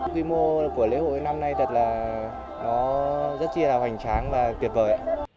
quy mô của lễ hội năm nay thật là rất là hoành tráng và tuyệt vời